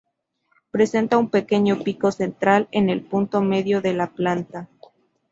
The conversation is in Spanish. Presenta un pequeño pico central en el punto medio de la planta.